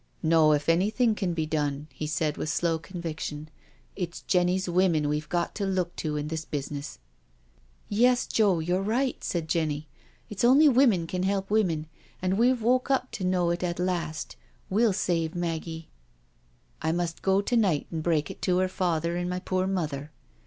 No, if anything can be done," he said, with slow conviction, " it's Jenny's women we've got to look to in this business." " Yes, Joe, you're right," said Jenny. " It's only women can help women, and we've woke up to know it at last— we'll save Maggie." " I must go to night an' break it to her father and my poor mother.